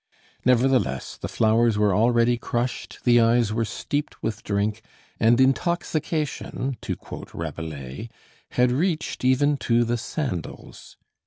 Nevertheless, the flowers were already crushed, the eyes were steeped with drink, and intoxication, to quote Rabelais, had reached even to the sandals.